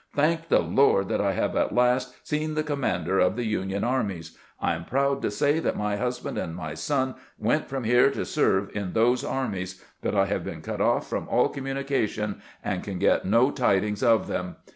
Thank the Lord that I have at last seen the commander of the Union armies ! I am proud to say that my husband and my son went from here to serve in those armies, but I have been cut off from all communication, and can get no tidings of them.